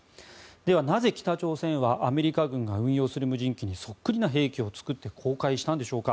では、なぜ北朝鮮はアメリカ軍が運用する戦闘機にそっくりな兵器を作って公開したんでしょうか。